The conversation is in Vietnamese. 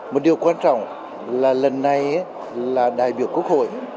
một điều quan trọng là lần này là đại biểu quốc hội